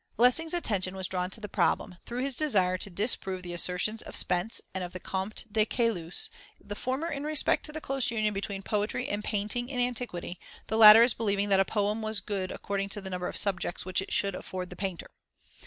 Lessing's attention was drawn to the problem, through his desire to disprove the assertions of Spence and of the Comte de Caylus, the former in respect to the close union between poetry and painting in antiquity, the latter as believing that a poem was good according to the number of subjects which it should afford the painter.